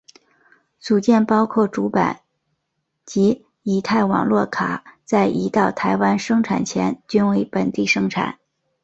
组件包括主板及乙太网络卡在移到台湾生产前均为本地生产。